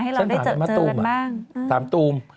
ให้เราได้เจอกันบ้างอืมฉันถามมาตูมถามตูม